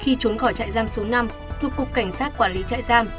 khi trốn khỏi trại giam số năm thuộc cục cảnh sát quản lý trại giam